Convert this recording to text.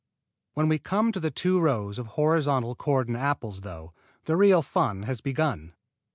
When we come to the two rows of horizontal cordon apples, though, the real fun has begun.